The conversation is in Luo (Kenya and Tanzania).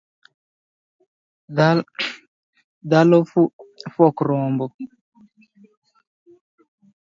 Dhalo fuok rombo